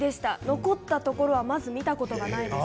残ったところはまず見たことないです。